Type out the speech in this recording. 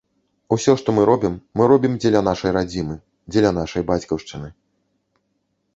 Усё, што мы робім, мы робім дзеля нашай радзімы, дзеля нашай бацькаўшчыны.